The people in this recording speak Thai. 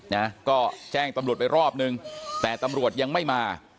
นะก็แจ้งตำรวจไปรอบนึงแต่ตำรวจยังไม่มา